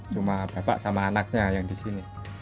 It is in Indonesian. cuma bapak sama anaknya yang di sini